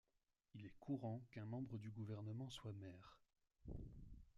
Il est courant qu'un membre du gouvernement soit maire.